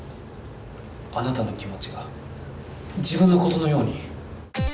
あなたの気持ちが自分のことのように。